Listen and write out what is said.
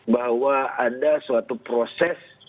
bahwa ada suatu proses